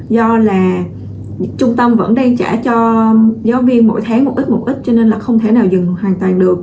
do là trung tâm vẫn đang trả cho giáo viên mỗi tháng một ít một ít cho nên là không thể nào dừng hoàn toàn được